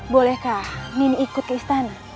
bolehkah nini ikut ke istana